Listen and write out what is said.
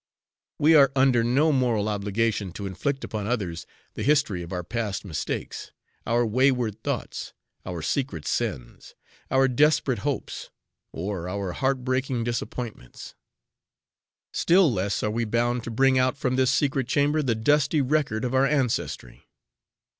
We are under no moral obligation to inflict upon others the history of our past mistakes, our wayward thoughts, our secret sins, our desperate hopes, or our heartbreaking disappointments. Still less are we bound to bring out from this secret chamber the dusty record of our ancestry.